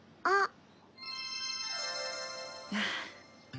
あっ！